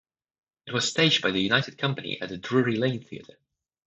It was staged by the United Company at the Drury Lane Theatre.